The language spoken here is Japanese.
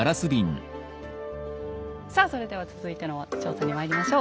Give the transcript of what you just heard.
さあそれでは続いての調査にまいりましょう。